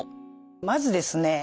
まずですね